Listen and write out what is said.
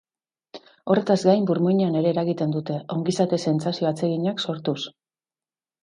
Horretaz gain burmuinean ere eragiten dute, ongizate sentsazio atseginak sortuz.